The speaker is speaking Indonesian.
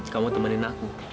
kamu temenin aku